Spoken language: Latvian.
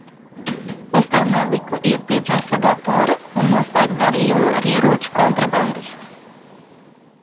Es tev neliku iet pie Džefa datora un noslēgt darījumu ar ieroču kontrabandistu!